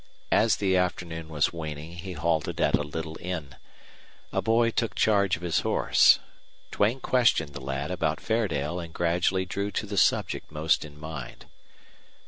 As the afternoon was waning he halted at a little inn. A boy took charge of his horse. Duane questioned the lad about Fairdale and gradually drew to the subject most in mind.